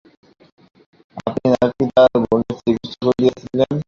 আপনি নাকি তার বোনের চিকিৎসা করেছিলেন।